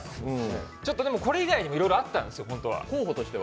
これ以外にもいろいろあったんですよ、本当は。